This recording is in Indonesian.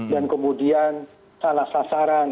dan kemudian salah sasaran